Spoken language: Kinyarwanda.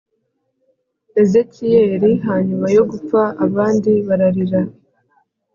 Ezekiyeli Hanyuma yo gupfa abandi bararira